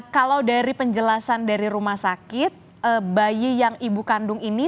kalau dari penjelasan dari rumah sakit bayi yang ibu kandung ini